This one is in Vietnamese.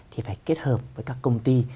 thì phải kết hợp với các công ty